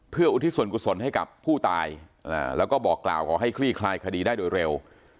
เพื่ออุทิศส่วนกุศลให้กับผู้ตายแล้วก็บอกกล่าวขอให้คลี่คลายคดีได้โดยเร็ว